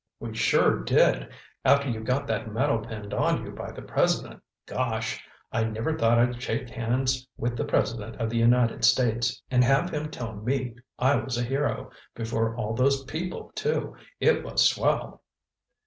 "We sure did! After you got that medal pinned on you by the President—gosh!—I never thought I'd shake hands with the President of the United States—and have him tell me I was a hero—before all those people, too! It was swell!"